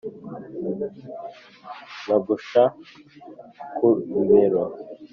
nkagusha ku bibero